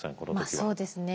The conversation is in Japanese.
まあそうですね。